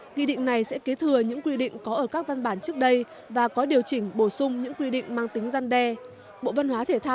nghị định này sẽ kế thừa những quy định có ở các văn bản trước đây và có điều chỉnh bổ sung những quy định mang tính gian đe